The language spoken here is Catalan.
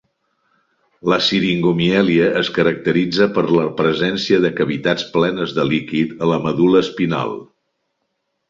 La siringomièlia es caracteritza per la presència de cavitats plenes de líquid a la medul·la espinal.